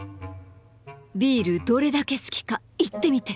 ビールどれだけ好きか言ってみて！